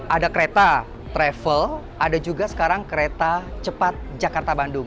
ada kereta travel ada juga sekarang kereta cepat jakarta bandung